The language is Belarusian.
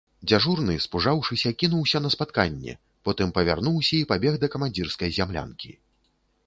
Дзяжурны, спужаўшыся, кінуўся на спатканне, потым павярнуўся і пабег да камандзірскай зямлянкі.